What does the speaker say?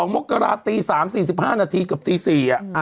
๒๒มกราคมตี๓๔๕นาทีกับตี๔อ่ะ